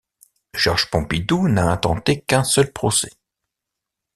Georges Pompidou n'a intenté qu'un seul procès.